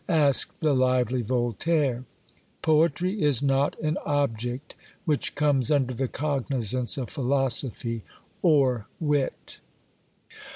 asked the lively Voltaire. Poetry is not an object which comes under the cognizance of philosophy or wit.